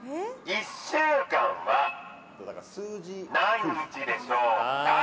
１週間は何日でしょうか？